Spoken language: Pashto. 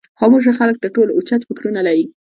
خاموشه خلک تر ټولو اوچت فکرونه لري.